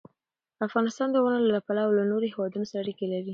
افغانستان د غرونه له پلوه له نورو هېوادونو سره اړیکې لري.